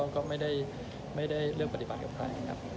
ก็ไม่ได้ไม่ได้เลือกปฏิบัติกับใครครับ